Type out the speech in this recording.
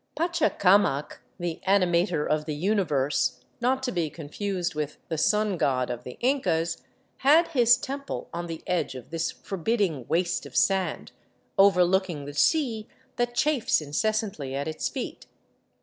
Pachacamac, the Animator of the Universe, not to be confused with the Sun god of the Incas, had his temple on the edge of this forbidding waste of sand, overlooking the sea that chafes incessantly at its feet.